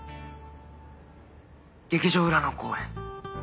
劇場裏の公園。